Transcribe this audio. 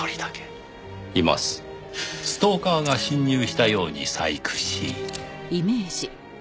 ストーカーが侵入したように細工し。